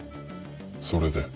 それで。